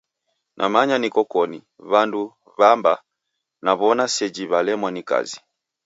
Namanya nikokoni, w'andu w'amba w'aw'ona sejhi walemwa ni kazi.